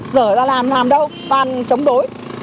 giở ra làm làm đâu toàn chống đối